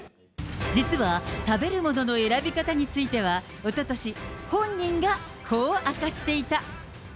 実は、食べるものの選び方については、おととし、本人がこう明かしていた。